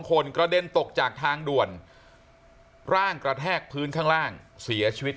คนกระเด็นตกจากทางด่วนร่างกระแทกพื้นข้างล่างเสียชีวิต